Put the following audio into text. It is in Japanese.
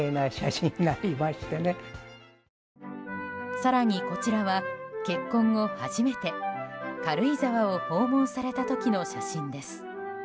更に、こちらは結婚後初めて軽井沢を訪問された時の写真です。